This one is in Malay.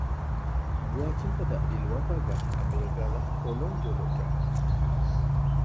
Buah cempedak di luar pagar, ambil galah tolong jolokkan.